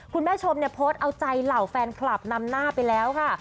คุณผู้ชมเนี่ยโพสต์เอาใจเหล่าแฟนคลับนำหน้าไปแล้วค่ะ